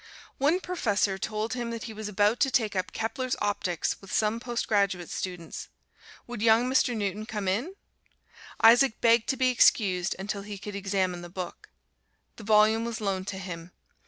One professor told him he was about to take up Kepler's Optics with some post graduate students would young Mr. Newton come in? Isaac begged to be excused until he could examine the book. The volume was loaned to him.